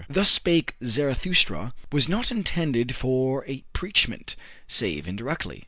"Thus Spake Zarathustra" was not intended for a preachment, save indirectly.